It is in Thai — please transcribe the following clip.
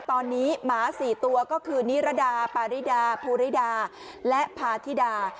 ตอนนี้หมา๔ตัวก็คือนิรดาปาริดาภูริดาและพาธิดา